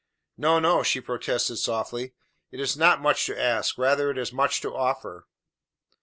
"No, no," she protested softly, "it is not much to ask. Rather is it much to offer."